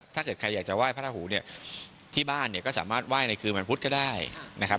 ถ้าเกิดใครอยากจะไหว้พระราหูเนี่ยที่บ้านเนี่ยก็สามารถไหว้ในคืนวันพุธก็ได้นะครับ